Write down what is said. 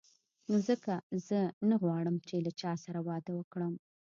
نو ځکه زه نه غواړم چې له چا سره واده وکړم.